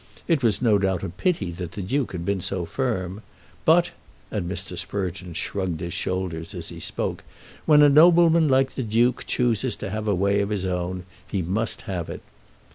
It was no doubt a pity that the Duke had been so firm. "But," and Mr. Sprugeon shrugged his shoulders as he spoke, "when a nobleman like the Duke chooses to have a way of his own, he must have it."